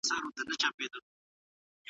بابا زوی ښاغلی پوهنوال شېرشاه رشاد دئ. د